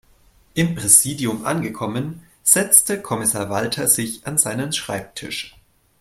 Im Präsidium angekommen, setzte Kommissar Walter sich an seinen Schreibtisch.